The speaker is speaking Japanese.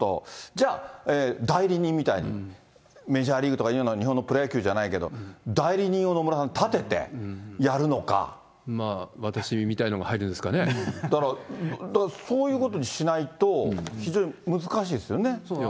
じゃあ、代理人みたいな、メジャーリーグみたいに、日本のプロ野球じゃないけど、代理人を野村さん、私みたいなのが入るんですかだから、だからそういうことにしないと非常に難しいですよね。